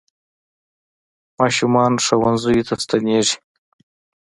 ماشومان ښوونځیو ته ستنېږي.